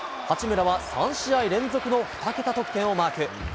八村は３試合連続の２桁得点をマーク。